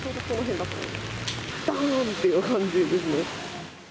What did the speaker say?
ばーんっていう感じですね。